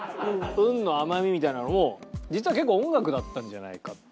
ウンの甘みみたいなのも実は結構音楽だったんじゃないかという。